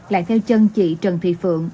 lại theo chân chị trần thị phượng